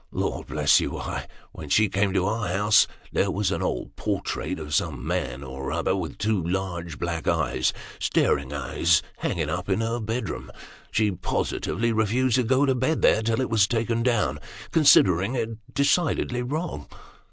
Lord bless you, why when she came to our house, there was an old portrait of some man or other, with two large black staring eyes, hanging up in her bedroom ; she positively refused to go to bed there, till it was taken down, considering it decidedly wrong."